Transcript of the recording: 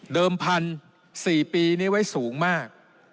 พันธุ์๔ปีนี้ไว้สูงมาก